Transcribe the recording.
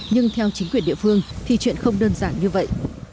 nhưng theo chính quyền địa phương thì chuyện không đơn giản như vậy